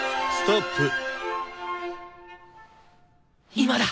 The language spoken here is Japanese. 今だ！